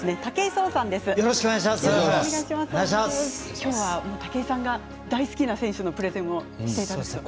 きょうは武井さんが大好きな選手のプレゼンをしていただけると。